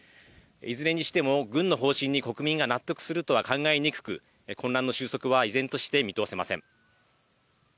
いずれにしても軍の方針に国民が納得するとは考えにくく、混乱の収束は依然として見通せません。